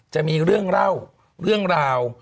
จะมีเรื่องเล่าเรื่องราว